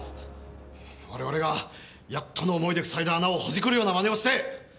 我々がやっとの思いでふさいだ穴をほじくるような真似をして！